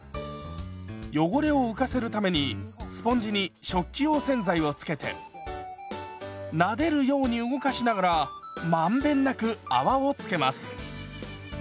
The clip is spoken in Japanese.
汚れを浮かせるためにスポンジに食器用洗剤をつけてなでるように動かしながら満遍なく泡をつけます。